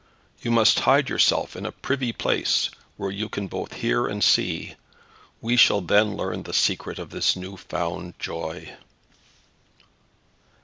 You must hide yourself in a privy place, where you can both hear and see. We shall then learn the secret of this new found joy."